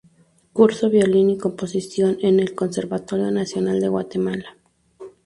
Cursó violín y composición en el Conservatorio Nacional de Guatemala.